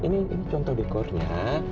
iya ini contoh dekornya